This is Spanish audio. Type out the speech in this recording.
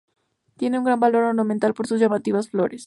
Tiene un gran valor ornamental, por sus llamativas flores.